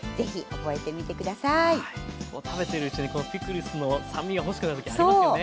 こう食べてるうちにこのピクルスの酸味が欲しくなる時ありますよね。